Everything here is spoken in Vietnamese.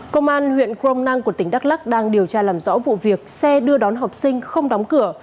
công an huyện crom năng của tỉnh đắk lắc đang điều tra làm rõ vụ việc xe đưa đón học sinh không đóng cửa